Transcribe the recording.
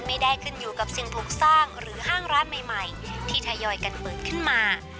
ไม่ได้ขึ้นอยู่กับสิ่งปลูกสร้างหรือห้างร้านใหม่ที่ทยอยกันเปิดขึ้นมา